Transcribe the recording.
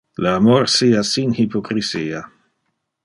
Le amor sia sin hypocrisia.